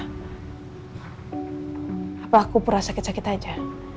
tapi aku kurang sakit sakit aja